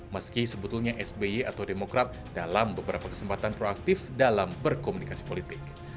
meski sebetulnya sby atau demokrat dalam beberapa kesempatan proaktif dalam berkomunikasi politik